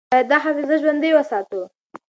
باید دا حافظه ژوندۍ وساتو.